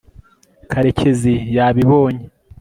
karekezi yabibonye